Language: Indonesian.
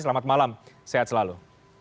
selamat malam sehat selalu